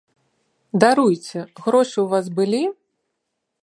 Даруйце, грошы ў вас былі?